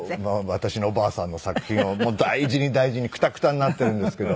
私のばあさんの作品を大事に大事にくたくたになってるんですけども。